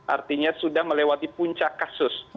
artinya sudah melewati puncak kasus